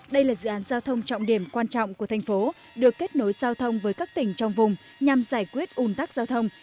đây là dự án giao thông trọng điểm quan trọng của thành phố được kết nối giao thông với các tỉnh trong vùng nhằm giải quyết un tắc giao thông